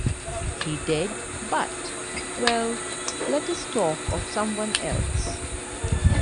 He did, but — well, let us talk of some one else.